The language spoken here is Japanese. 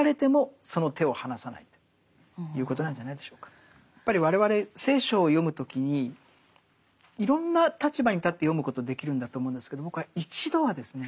最後までというかやっぱり我々聖書を読む時にいろんな立場に立って読むことできるんだと思うんですけど僕は一度はですね